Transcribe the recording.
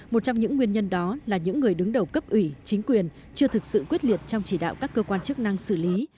một trong những nguyên nhân đó là những người đứng đầu cấp ủy chính quyền chưa thực sự quyết liệt trong chỉ đạo các cơ quan chức năng xử lý